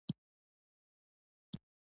هغې په تطبیقي ادبیاتو کې دوکتورا کړې ده.